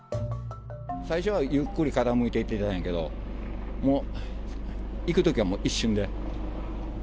最初はゆっくり傾いていってたんやけど、もういくときは、もう一瞬で。